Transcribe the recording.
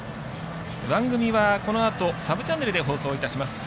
番組はこのあとサブチャンネルで放送いたします。